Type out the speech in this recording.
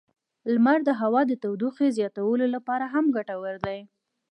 لمر د هوا د تودوخې زیاتولو لپاره هم ګټور دی.